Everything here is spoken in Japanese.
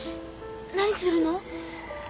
何するの？